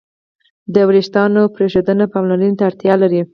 د وېښتیانو پرېښودنه پاملرنې ته اړتیا لري.